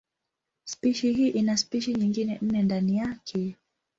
Spishi hii ina spishi nyingine nne ndani yake.